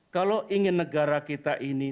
kalau ingin negara kita ini